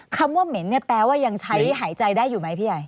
คำว่าเหม็นแปลว่ายังใช้หายใจได้อยู่ไหมพี่ไอ